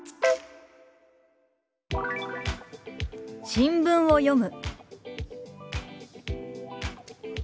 「新聞を読む」。